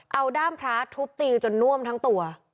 เอาด้ามพระทุบตีจนน่วมทั้งตัว